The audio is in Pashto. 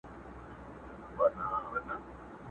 په يوه تاخته يې پى كړله مزلونه.!